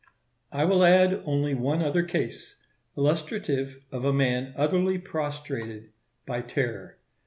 I will add only one other case, illustrative of a man utterly prostrated by terror.